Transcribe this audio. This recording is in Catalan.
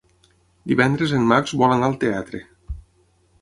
Divendres en Max vol anar al teatre.